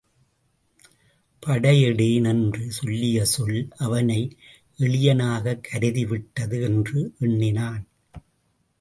படை எடேன் என்று சொல்லிய சொல் அவனை எளியனாகக் கருதிவிட்டது என்று எண்ணினான்.